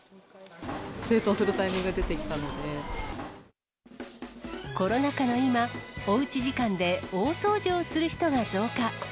整頓するタイミングで出てきコロナ禍の今、おうち時間で大掃除をする人が増加。